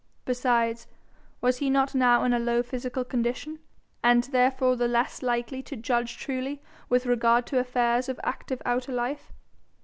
Besides, was he not now in a low physical condition, and therefore the less likely to judge truly with regard to affairs of active outer life?